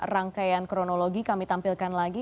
rangkaian kronologi kami tampilkan lagi